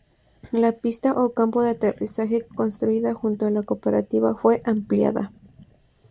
La pista o campo de aterrizaje construida junto a la Cooperativa fue ampliada.